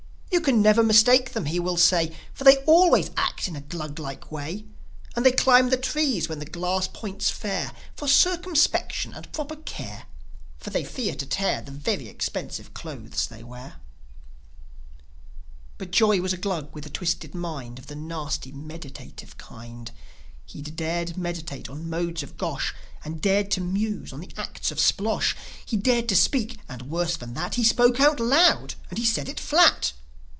"You can never mistake them," he will say; "For they always act in a Gluglike way. And they climb the trees when the glass points fair, With circumspection and proper care, For they fear to tear The very expensive clothes they wear." But Joi was a Glug with a twisted mind Of the nasty, meditative kind. He'd meditate on the modes of Gosh, And dared to muse on the acts of Splosh; He dared to speak, and, worse than that, He spoke out loud, and he said it flat.